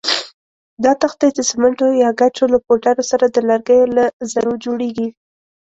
دا تختې د سمنټو یا ګچو له پوډرو سره د لرګیو له ذرو جوړېږي.